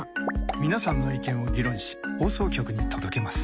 皆さんの意見を議論し放送局に届けます。